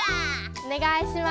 おねがいします。